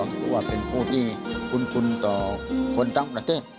ถือว่าเป็นผู้ที่คุ้นต่อคนทั้งประเทศ